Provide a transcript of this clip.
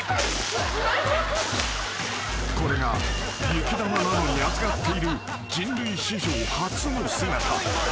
［これが雪玉なのに熱がっている人類史上初の姿］